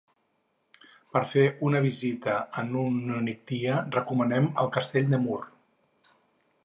Per fer una visita en un únic dia recomanem el castell de Mur.